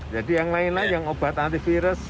jadi yang lain lain yang obat antivirus